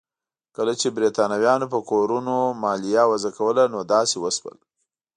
کله چې برېټانویانو په کورونو مالیه وضع کوله نو داسې وشول.